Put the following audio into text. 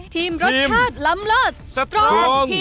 ทีมรสชาติล้ำเลิศสตรอง